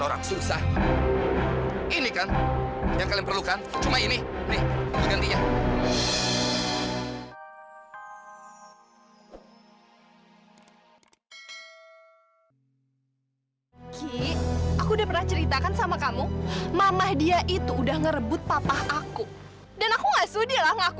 oke kak aku bersihin sekarang sama tukang kak